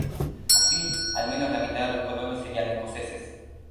Así, al menos la mitad de los colonos serían escoceses.